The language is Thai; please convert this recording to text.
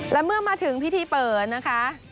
และเมื่อมาถึงพิธีเปิดนะคะ